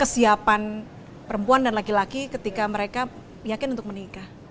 kesiapan perempuan dan laki laki ketika mereka yakin untuk menikah